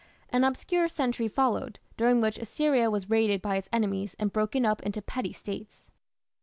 An obscure century followed, during which Assyria was raided by its enemies and broken up into petty States.